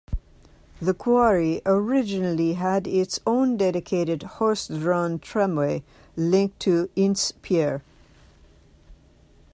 The quarry originally had its own dedicated horse-drawn tramway link to Ince Pier.